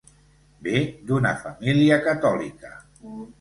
Ve d'una família catòlica.